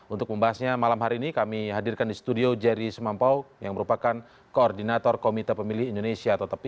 untuk membahasnya malam hari ini kami hadirkan di studio jerry semampau yang merupakan koordinator komite pemilih indonesia atau tepi